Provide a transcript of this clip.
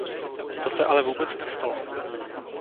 To se ale vůbec nestalo!